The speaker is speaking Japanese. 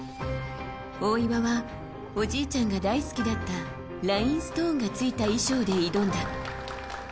大岩はおじいちゃんが大好きだったラインストーンがついた衣装で挑んだ。